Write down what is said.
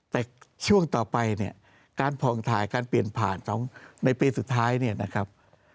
แต่ช่วงต่อไปเนี่ยการผ่องถ่ายการเปลี่ยนผ่านในปีสุดท้ายเนี่ยนะครับ